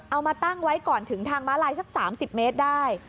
เอามาตั้งไว้ก่อนถึงทางม้าลายสัก๓๐เมตรได้